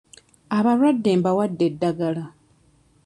Abalwadde mbawadde eddagala.